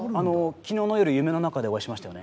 昨日の夜夢の中でお会いしましたよね？